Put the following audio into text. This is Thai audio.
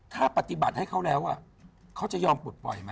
ถ้าปฏิบัติให้เขาแล้วเขาจะยอมปลดปล่อยไหม